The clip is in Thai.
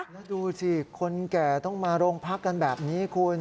แล้วดูสิคนแก่ต้องมาโรงพักกันแบบนี้คุณ